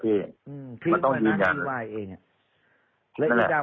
เพราะว่าตอนแรกมีการพูดถึงนิติกรคือฝ่ายกฎหมาย